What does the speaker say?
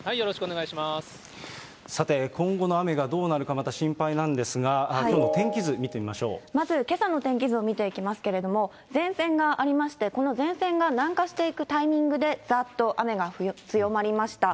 さて、今後の雨がどうなるか、また心配なんですが、きょうの天まず、けさの天気図見ていきますけれども、前線がありまして、この前線が南下していくタイミングで、ざーっと雨が強まりました。